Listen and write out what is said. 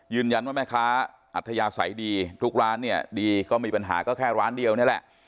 แม่ค้าอัธยาศัยดีทุกร้านเนี่ยดีก็มีปัญหาก็แค่ร้านเดียวนี่แหละ